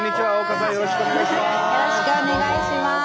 よろしくお願いします！